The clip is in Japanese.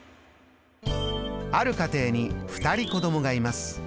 ある家庭に２人子どもがいます。